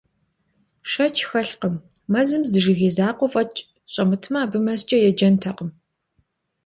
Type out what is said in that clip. Шэч хэлъкъым: мэзым зы жыгей закъуэ фӀэкӀ щӀэмытмэ, абы мэзкӀэ еджэнтэкъым.